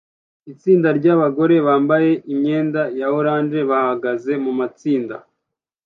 Itsinda ryabagore bambaye imyenda ya orange bahagaze mumatsinda